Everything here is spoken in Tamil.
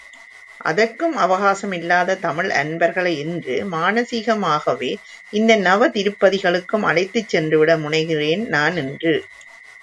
அதற்கும் அவகாசமில்லாத தமிழ் அன்பர்களை இன்று மானசீகமாகவே இந்த நவதிருப்பதிகளுக்கும் அழைத்துச் சென்று விட முனைகிறேன் நான் இன்று.